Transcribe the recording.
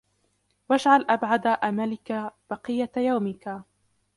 وَاجْعَلْ أَبْعَدَ أَمْلِكَ بَقِيَّةَ يَوْمِك